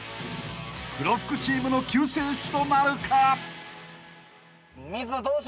［黒服チームの救世主となるか？］